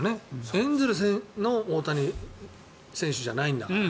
エンゼルスの大谷選手じゃないんだから。